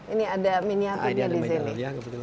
ini ada miniaturnya di sini